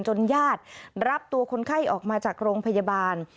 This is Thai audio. ญาติรับตัวคนไข้ออกมาจากโรงพยาบาล